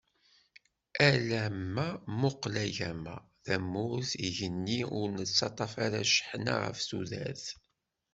Ala ma nmuqel agama, tamurt, igenni ur nettaṭaf ara cceḥna ɣef tudert.